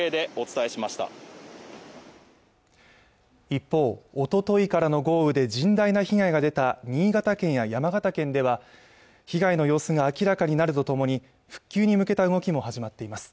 一方おとといからの豪雨で甚大な被害が出た新潟県や山形県では被害の様子が明らかになるとともに復旧に向けた動きも始まっています